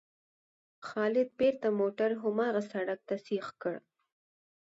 خالد بېرته موټر هماغه سړک ته سیخ کړ.